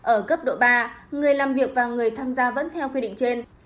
ở cấp độ ba người làm việc và người tham gia vẫn theo quy định trên